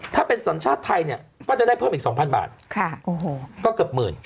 ถ้าเป็นสัญชาติไทยเนี่ยก็จะได้เพิ่มอีก๒๐๐บาทก็เกือบหมื่น